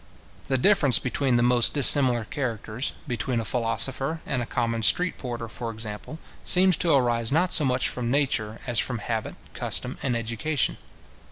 The difference between the most dissimilar characters, between a philosopher and a common street porter, for example, seems to arise not so much from nature, as from habit, custom, and education.